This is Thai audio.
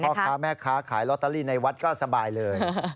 พ่อค้าแม่ค้าขายลอตเตอรี่ในวัดก็สบายเลย